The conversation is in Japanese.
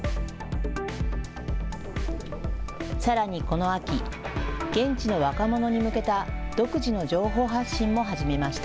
さらにこの秋、現地の若者に向けた独自の情報発信も始めました。